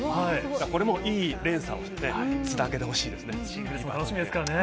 これもいい連鎖をつなげてほしいですね。